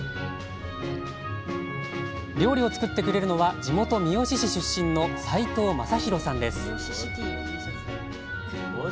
料理を作ってくれるのは地元三好市出身の齋藤誠泰さんです